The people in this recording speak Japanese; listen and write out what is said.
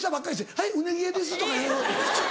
「はいうなぎ屋です」とかいう。